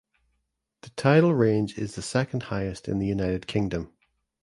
The tidal range is the second highest in the United Kingdom.